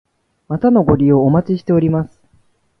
またのご利用お待ちしております。